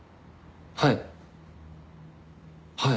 はい。